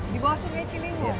di bawah sungai ciliwung